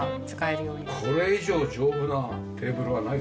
これ以上丈夫なテーブルはないぞ。